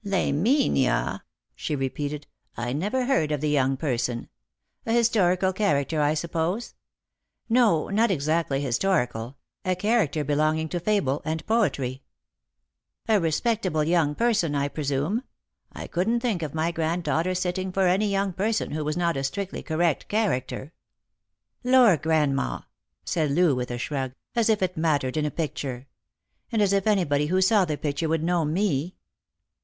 "Laminia!" she repeated; "I never heard of the young person. A historical character, I suppose ?"" No, not exactly historical ; a character belonging to fable and poetry." " A respectable young person, I presume ? I couldn't think of my granddaughter sitting for any young person who was not a strictly correct character." " Lor, grandma," said Loo, with a shrug, " as if it mattered in a picture ! And as if anybody who saw the picture would know me